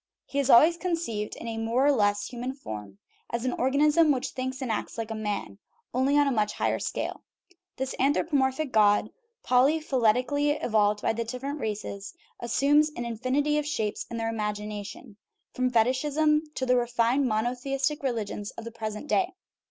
He is al ways conceived in a more or less human form, as an organism which thinks and acts like a man only on a much higher scale. This anthropomorphic God, polyphyletically evolved by the different races, as sumes an infinity of shapes in their imagination, from fetichism to the refined monotheistic religions of the present day.